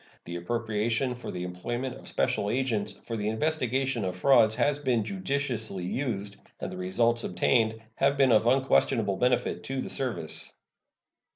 The appropriation for the employment of special agents for the investigation of frauds has been judiciously used, and the results obtained have been of unquestionable benefit to the service.